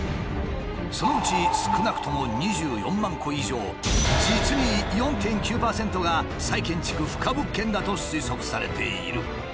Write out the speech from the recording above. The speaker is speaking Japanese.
そのうち少なくとも２４万戸以上実に４．９％が再建築不可物件だと推測されている。